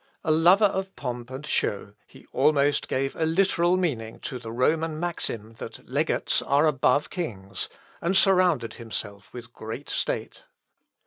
A lover of pomp and show, he almost gave a literal meaning to the Roman maxim that legates are above kings, and surrounded himself with great state.